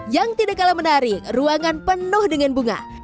yang tidak kalah menarik ruangan penuh dengan bunga